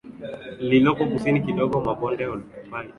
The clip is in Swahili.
lililoko kusini kidogo mwa bonde Oltupai